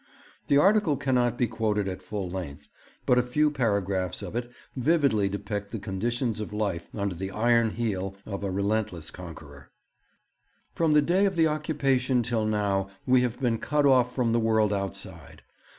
The article cannot be quoted at full length, but a few paragraphs of it vividly depict the conditions of life under the iron heel of a relentless conqueror: 'From the day of the occupation till now we have been cut off from the world outside.